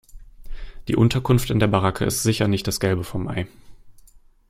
Die Unterkunft in der Baracke ist sicher nicht das Gelbe vom Ei.